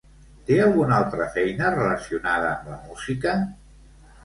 Té alguna altra feina relacionada amb la música?